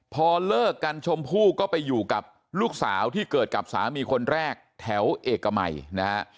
พอเลิกกันชมพู่ก็ไปอยู่กับลูกสาวที่เกิดกับสามีคนแรกแถวเอกมัยนะฮะ